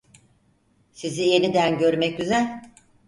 Sizi yeniden görmek güzel.